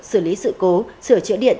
xử lý sự cố sửa chữa điện